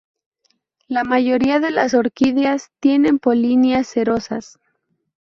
La mayoría de las orquídeas tienen polinias cerosas.